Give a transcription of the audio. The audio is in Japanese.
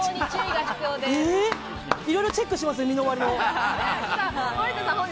いろいろチェックします、身の回り。